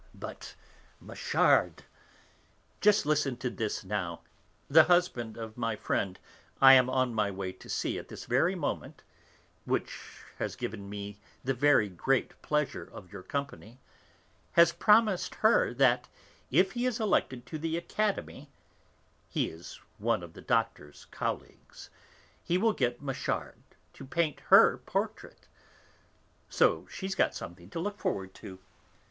But Machard! Just listen to this now, the husband of my friend, I am on my way to see at this very moment (which has given me the very great pleasure of your company), has promised her that, if he is elected to the Academy (he is one of the Doctor's colleagues), he will get Machard to paint her portrait. So she's got something to look forward to!